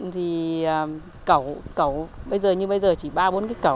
thì cầu bây giờ như bây giờ chỉ ba bốn cái cầu